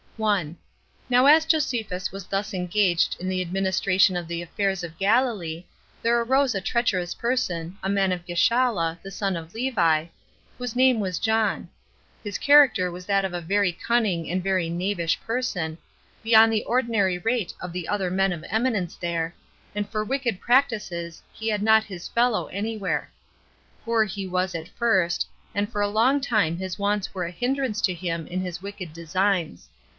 1. Now as Josephus was thus engaged in the administration of the affairs of Galilee, there arose a treacherous person, a man of Gischala, the son of Levi, whose name was John. His character was that of a very cunning and very knavish person, beyond the ordinary rate of the other men of eminence there, and for wicked practices he had not his fellow any where. Poor he was at first, and for a long time his wants were a hinderance to him in his wicked designs.